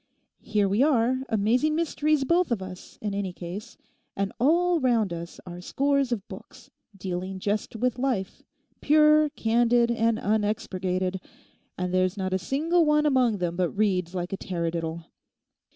Here we are, amazing mysteries both of us in any case; and all round us are scores of books, dealing just with life, pure, candid, and unexpurgated; and there's not a single one among them but reads like a taradiddle.